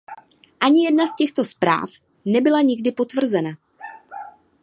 Ani jedna z těchto zpráv nebyla nikdy potvrzena.